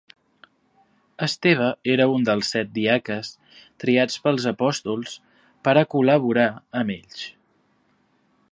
Esteve era un dels set diaques triats pels apòstols per a col·laborar amb ells.